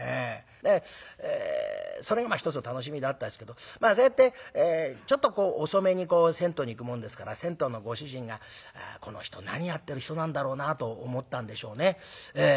それがまあ一つの楽しみだったですけどそうやってちょっとこう遅めに銭湯に行くもんですから銭湯のご主人がこの人何やってる人なんだろうなと思ったんでしょうね。